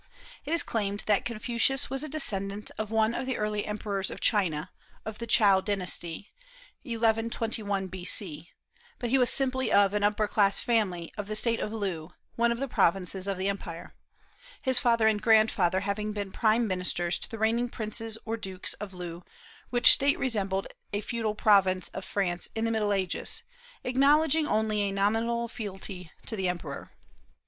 It is claimed that Confucius was a descendant of one of the early emperors of China, of the Chow dynasty, 1121 B.C.; but he was simply of an upper class family of the State of Loo, one of the provinces of the empire, his father and grandfather having been prime ministers to the reigning princes or dukes of Loo, which State resembled a feudal province of France in the Middle Ages, acknowledging only a nominal fealty to the Emperor.